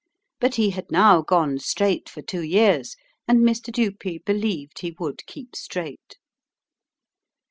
But he had now gone straight for two years, and Mr. Dupee believed he would keep straight.